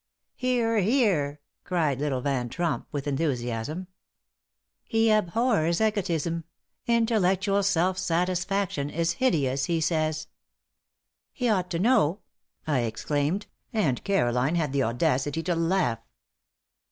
"Hear! hear!" cried little Van Tromp, with enthusiasm. "He abhors egotism. Intellectual self satisfaction is hideous, he says." "He ought to know," I exclaimed, and Caroline had the audacity to laugh.